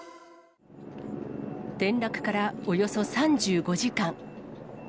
転落からおよそ３５時間。